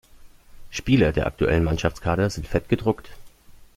Spieler der aktuellen Mannschaftskader sind fett gedruckt.